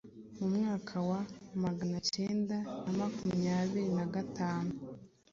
Mu mwaka wa maganacyenda namakumyabiri na gatanu